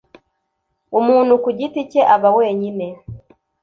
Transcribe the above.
umuntu ku giti cye aba wenyine